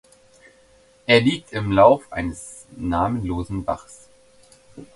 Er liegt im Lauf eines namenlosen Bachs.